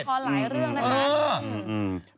หลายเรื่องนะครับ